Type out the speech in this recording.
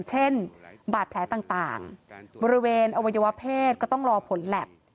เช่นบาดแผลต่างบริเวณอวัยวะเพศก็ต้องรอผลแล็บ